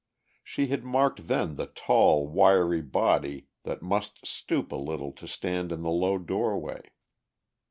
She had marked then the tall, wiry body that must stoop a little to stand in the low doorway.